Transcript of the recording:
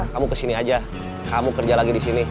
kamu kesini aja kamu kerja lagi di sini